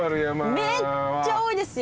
めっちゃ多いですよ。